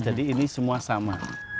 jadi ini semua sama